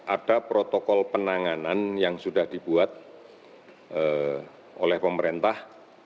ada protokol penanganan yang sudah dibuat oleh pemerintah